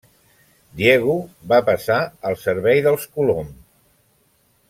Diego va passar al servei dels Colom.